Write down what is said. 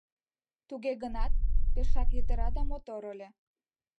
Туге гынат пешак йытыра да мотор ыле...